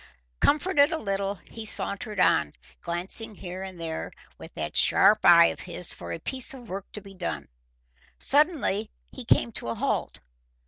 Comforted a little, he sauntered on, glancing here and there with that sharp eye of his for a piece of work to be done. Suddenly he came to a halt.